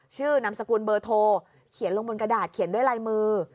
นามสกุลเบอร์โทรเขียนลงบนกระดาษเขียนด้วยลายมือ